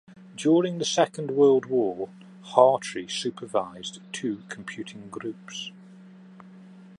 During the Second World War Hartree supervised two computing groups.